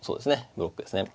ブロックですね。